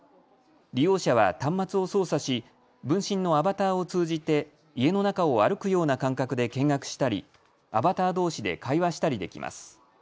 利用者は端末を操作し分身のアバターを通じて家の中を歩くような感覚で見学したりアバターどうしで会話したりできます。